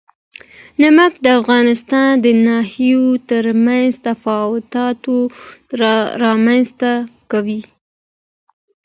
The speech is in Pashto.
نمک د افغانستان د ناحیو ترمنځ تفاوتونه رامنځ ته کوي.